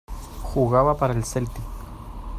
Jugaba para el Celtic.